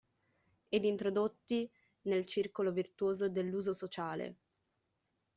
Ed introdotti nel circolo virtuoso dell'uso sociale.